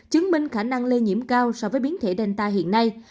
chứng minh khả năng lây nhiễm cao so với biến thể danta hiện nay